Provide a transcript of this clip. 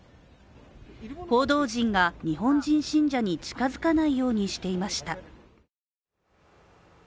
報道陣が日本人信者に近づかないようにしていました。